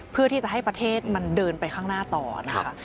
เพื่อที่จะให้ประเทศมันเดินไปข้างหน้าต่อนะคะ